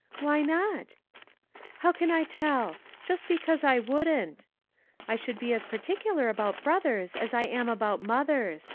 "Why not?" " How can I tell ? Just because I wouldn't. I should be as particular about brothers as I am about mothers.